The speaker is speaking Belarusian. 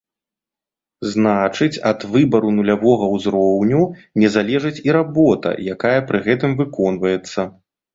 Значыць, ад выбару нулявога ўзроўню не залежыць і работа, якая пры гэтым выконваецца.